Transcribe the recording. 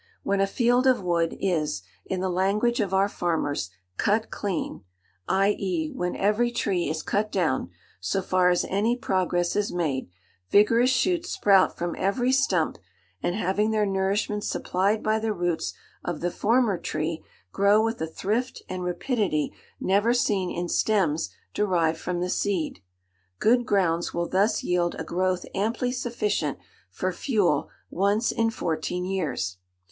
When a field of wood is, in the language of our farmers, cut clean—i.e. when every tree is cut down, so far as any progress is made, vigorous shoots sprout from every stump; and having their nourishment supplied by the roots of the former tree, grow with a thrift and rapidity never seen in stems derived from the seed. Good grounds will thus yield a growth amply sufficient for fuel, once in fourteen years.